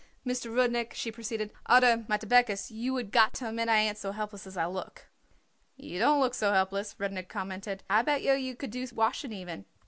"Mister Rudnik," she proceeded, "oder my Tebeches, you would got to admit I ain't so helpless as I look." "You don't look so helpless," Rudnik commented; "I bet yer you could do washing even."